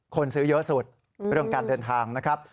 คนซื้อเยอะสุดเรื่องการเดินทางนะครับ